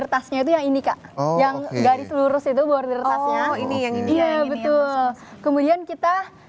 retasnya itu yang indica yang dari seluruh situ border tasnya ini yang dia betul kemudian kita